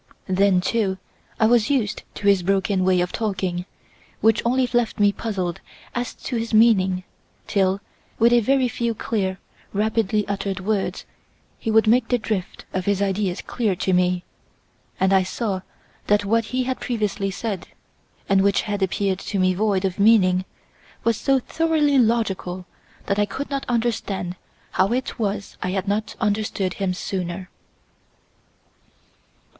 Then, too, I was used to his broken way of talking, which only left me puzzled as to his meaning, till, with a very few clear, rapidly uttered words, he would make the drift of his ideas clear to me, and I saw that what he had previously said, and which had appeared to me void of meaning, was so thoroughly logical that I could not understand how it was I had not understood him sooner.